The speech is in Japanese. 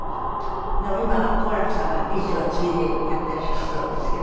でも今は好楽さんが遺志を継いでやっていらっしゃるそうですけど。